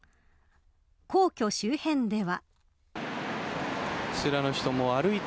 皇居周辺では。